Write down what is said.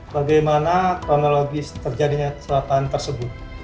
bagaimana kronologi terjadinya kesalahan tersebut